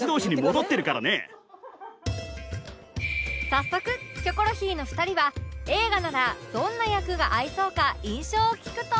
早速キョコロヒーの２人は映画ならどんな役が合いそうか印象を聞くと